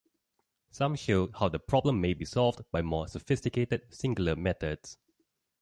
Some show how the problem may be solved by more sophisticated singular methods.